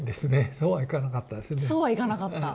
そうはいかなかった。